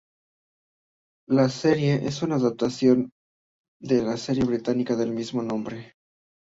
La serie es una adaptación de la serie británica del mismo nombre.